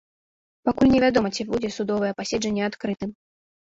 Пакуль невядома, ці будзе судовае паседжанне адкрытым.